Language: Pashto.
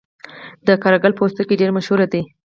د قره قل پوستکي ډیر مشهور دي